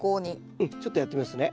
うんちょっとやってみますね。